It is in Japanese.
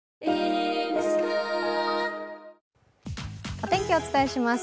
お天気をお伝えします。